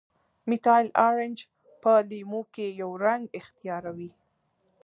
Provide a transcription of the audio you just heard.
میتایل ارنج په لیمو کې یو رنګ اختیاروي.